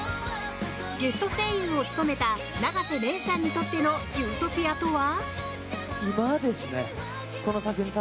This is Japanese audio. ゲスト声優を務めた永瀬廉さんにとってのユートピアとは。